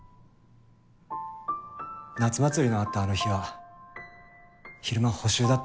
夏祭りのあったあの日は昼間補習だったね。